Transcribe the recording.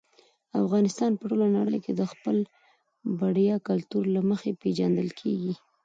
افغانستان په ټوله نړۍ کې د خپل بډایه کلتور له مخې پېژندل کېږي.